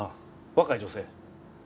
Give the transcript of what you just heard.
若い女性？